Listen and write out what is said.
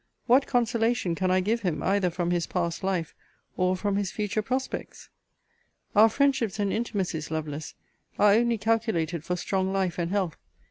What consolation can I give him, either from his past life, or from his future prospects? Our friendships and intimacies, Lovelace, are only calculated for strong life and health.